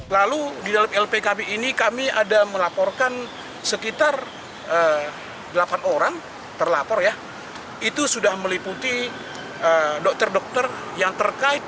lalu di dalam lpkb ini kami ada melaporkan sekitar delapan orang terlapor ya itu sudah meliputi dokter dokter yang terkait